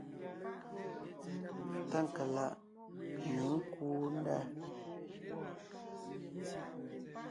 Tákaláʼ ně kúu ndá.